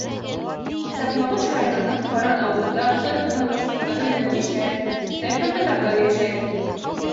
Саҡмағош районының Ҡаран ауылында ҡыр-йылан башҡорттары менән мишәр, типтәр һәм татарҙар йәшәй.